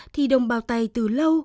thì đồng bào tày từ lâu